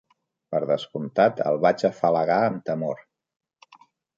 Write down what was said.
Per descomptat, el vaig afalagar amb temor.